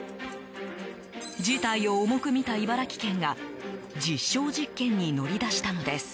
事態を重く見た茨城県が実証実験に乗り出したのです。